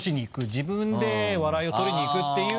自分で笑いを取りにいくっていう。